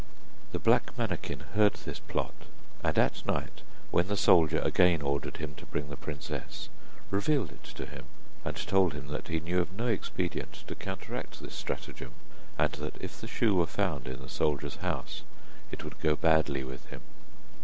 The black manikin heard this plot, and at night when the soldier again ordered him to bring the princess, revealed it to him, and told him that he knew of no expedient to counteract this stratagem, and that if the shoe were found in the soldier's house it would go badly with him.